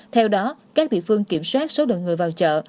theo đó các địa phương kiểm soát số lượng người vào chợ